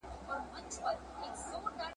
ترې راوځي به مړونه !.